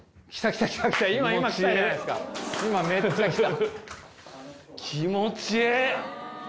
今めっちゃきた。